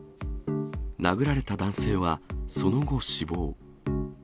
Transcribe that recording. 殴られた男性は、その後死亡。